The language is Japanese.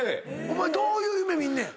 お前どういう夢見んねん？